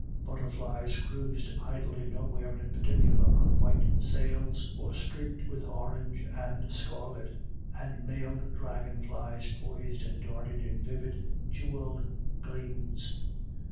Butterflies cruised idly nowhere in particular on white sails, or freaked with orange and scarlet, and mailed dragonflies poised and darted in vivid jewelled gleams.